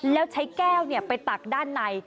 แล้วใช้แก้วไปตักด้านใน